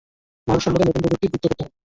মানবসম্পদের নতুন প্রযুক্তি যুক্ত করতে হবে।